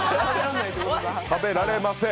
食べられません！